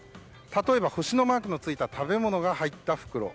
例えば、星のマークの付いた食べ物が入った袋。